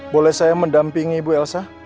boleh saya mendampingi ibu elsa